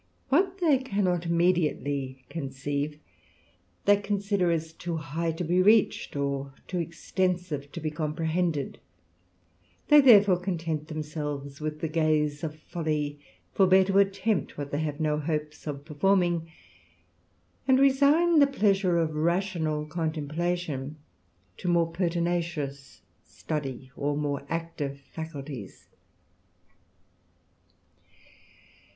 What they cannot immediately conceive, they consider as too high to be reached, or too extensive to be comprehended ; they therefore content themselves with the gaze of folly, forbear to attempt what they have no hopes of performing, and resign the pleasure of rational contemplation to more pertinacious study or more active faculties.